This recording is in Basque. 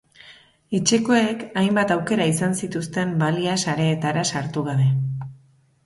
Etxekoek hainbat aukera izan zituzten balia sareetara sartu gabe.